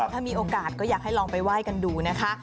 ถ้ามีโอกาสก็อยากให้ลองไปไหว้กันดูนะคะ